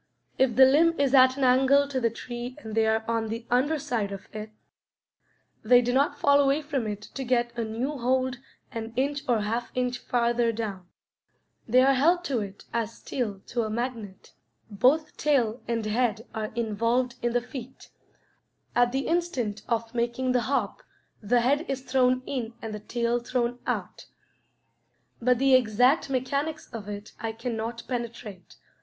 If the limb is at an angle to the tree and they are on the under side of it, they do not fall away from it to get a new hold an inch or half inch farther down. They are held to it as steel to a magnet. Both tail and head are involved in the feat. At the instant of making the hop the head is thrown in and the tail thrown out, but the exact mechanics of it I cannot penetrate.